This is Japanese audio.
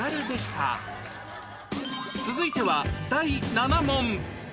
続いては第７問